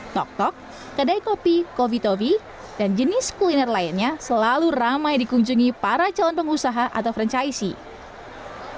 tok tok kedai kopi kopi topi dan jenis kuliner lainnya selalu ramai dikunjungi para calon pengusaha atau franchise